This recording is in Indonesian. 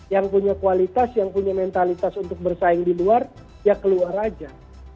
yang punya kualitas yang punya mentalitas untuk bersaing di luar ya keluar aja